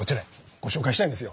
ご紹介したいんですよ。